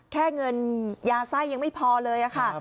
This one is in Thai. แค่เงินยาไส้ยังไม่พอเลยค่ะ